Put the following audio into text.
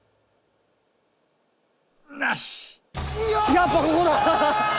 やっぱここだ。